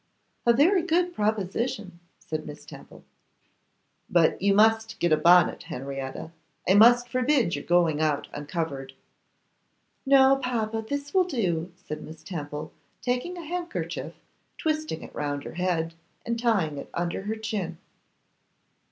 'A very good proposition,' said Miss Temple. 'But you must get a bonnet, Henrietta; I must forbid your going out uncovered.' 'No, papa, this will do,' said Miss Temple, taking a handkerchief, twisting it round her head, and tying it under her chin.